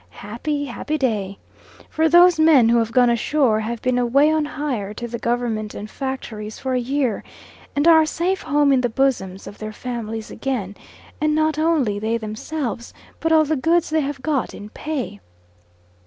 Happy, happy day! For those men who have gone ashore have been away on hire to the government and factories for a year, and are safe home in the bosoms of their families again, and not only they themselves, but all the goods they have got in pay.